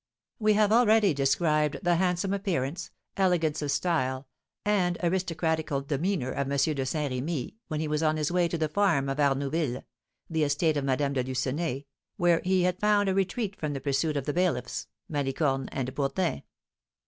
We have already described the handsome appearance, elegance of style, and aristocratical demeanour of M. de Saint Remy, when he was on his way to the farm of Arnouville (the estate of Madame de Lucenay), where he had found a retreat from the pursuit of the bailiffs, Malicorne and Bourdin.